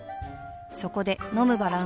そこで飲むバランス栄養食